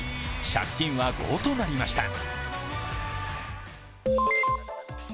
借金は５となりました。